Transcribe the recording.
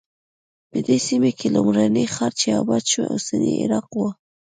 په دې سیمه کې لومړنی ښار چې اباد شو اوسنی عراق و.